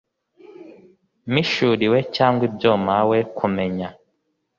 Mpishuriwe cyangwa ibyo mpawe kumenya